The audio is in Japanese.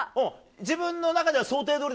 自分の中では想定どおり？